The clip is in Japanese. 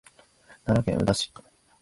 奈良県宇陀市